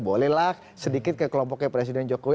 bolehlah sedikit ke kelompoknya presiden jokowi